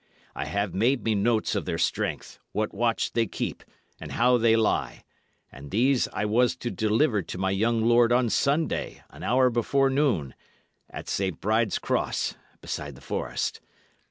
I have made me notes of their strength, what watch they keep, and how they lie; and these I was to deliver to my young lord on Sunday, an hour before noon, at St. Bride's Cross beside the forest.